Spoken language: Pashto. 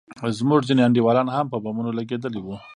زموږ ځينې انډيوالان هم په بمونو لگېدلي وو.